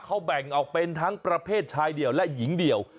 เขาแบ่งออกเป็นทั้งประเภทชายเดี่ยวและหญิงเดียว